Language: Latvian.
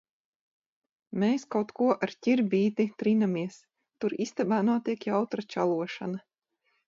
Mēs kaut ko ar Ķirbīti trinamies. Tur istabā notiek jautra čalošana.